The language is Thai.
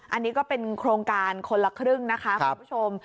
อันนี้ก็เป็นโครงการคนละครึ่งนะคะคุณผู้ชม